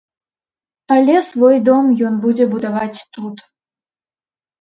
Але свой дом ён будзе будаваць тут.